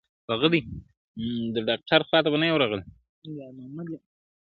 • زما څه ليري له ما پاته سول خواږه ملګري,